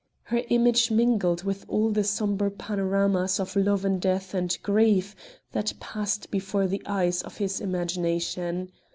Her image mingled with all the sombre panoramas of Love and Death and Grief that passed before the eyes of his imagination.